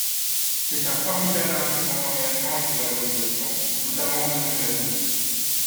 C’est un formidable instrument d’engagement et de valorisation, notamment de nos jeunes.